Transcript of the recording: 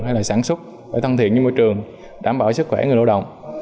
hay sản xuất phải thân thiện với môi trường đảm bảo sức khỏe người lộ động